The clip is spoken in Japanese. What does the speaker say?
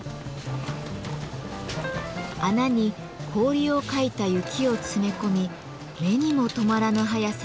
穴に氷をかいた雪を詰め込み目にも留まらぬ速さで色をさします。